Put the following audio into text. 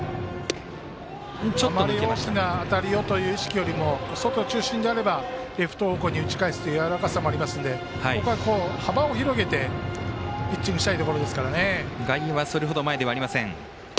あまり大きな当たりをという意識よりは外中心であればレフト方向に打ち返すというやわらかさもありますのでここは幅を広げて、ピッチングしたいところですかね。